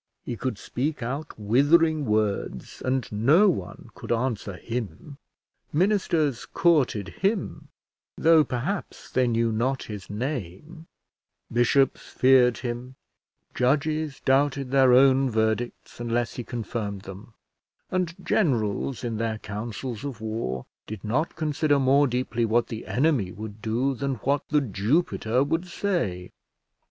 He could speak out withering words, and no one could answer him: ministers courted him, though perhaps they knew not his name; bishops feared him; judges doubted their own verdicts unless he confirmed them; and generals, in their councils of war, did not consider more deeply what the enemy would do, than what The Jupiter would say.